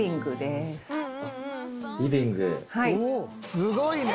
すごいね！